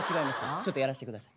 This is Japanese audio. ちょっとやらして下さい。